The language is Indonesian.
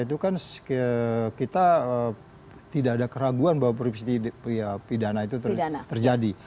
kalau ke case nya itu kan kita tidak ada keraguan bahwa peristiwa pidana itu terjadi